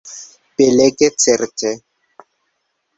Belege, certe!